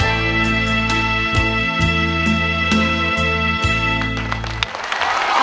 หัวใจเหมือนไฟร้อน